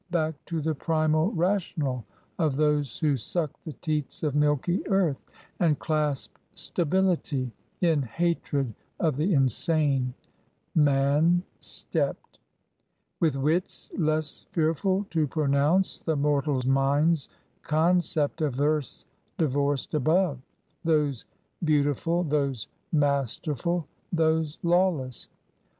Back to the primal rational of those Who suck the teats of milky earth, and clasp Stability in hatred of the insane, Man stepped; with wits less fearful to pronounce The mortal mind's concept of earth's divorced Above; those beautiful, those masterful, Those lawless.